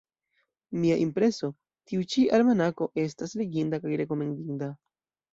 Mia impreso: tiu ĉi almanako estas leginda kaj rekomendinda.